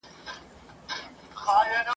د نامردو له روز ګاره سره کار وي !.